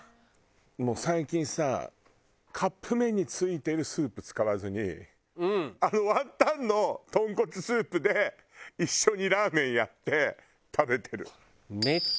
もう最近さカップ麺に付いてるスープ使わずにあのワンタンのとんこつスープで一緒にラーメンやって食べてる。